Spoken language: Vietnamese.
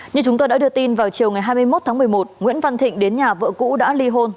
như chúng tôi đã đưa tin vào chiều ngày hai mươi một tháng một mươi một nguyễn văn thịnh đến nhà vợ cũ đã ly hôn